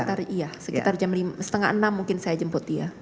sekitar iya sekitar jam setengah enam mungkin saya jemput dia